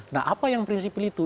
nah apa yang prinsipil itu